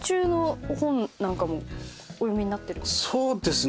そうですね。